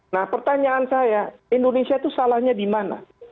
nah pertanyaan saya indonesia itu salahnya di mana